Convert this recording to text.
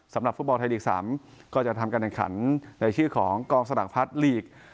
สำหรับฟุตบอลไทยลีก๓ก็จะทำการแข่งขันในชื่อของกองสลักพัดลีก